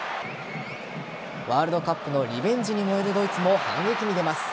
ワールドカップのリベンジに燃えるドイツも反撃に出ます。